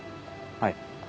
はい。